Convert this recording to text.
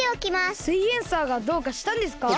「すイエんサー」がどうかしたんですか？